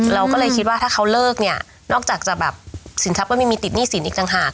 เราก็เลยคิดว่าถ้าเขาเลิกเนี่ยนอกจากจะแบบสินทรัพย์ก็ไม่มีติดหนี้สินอีกต่างหาก